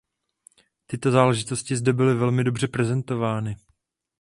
Tyto záležitosti zde byly velmi dobře prezentovány.